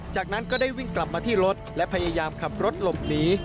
จากนั้นก็ได้วิ่งกลับมาที่รถและพยายามขับรถหลบหนี